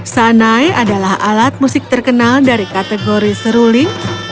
sanai adalah alat musik terkenal dari kategori seruling